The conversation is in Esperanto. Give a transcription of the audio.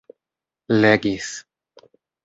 legis